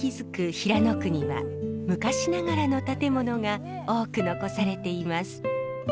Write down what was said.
平野区には昔ながらの建物が多く残されています。